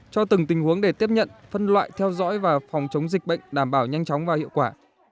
cho từng tình huống để tiếp nhận phân loại theo dõi và phòng chống dịch bệnh đảm bảo nhanh chóng và hiệu quả